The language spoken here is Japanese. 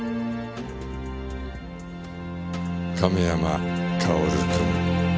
亀山薫君。